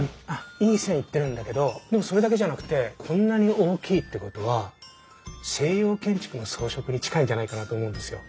いい線いってるんだけどでもそれだけじゃなくてこんなに大きいってことは西洋建築の装飾に近いんじゃないかなと思うんですよ。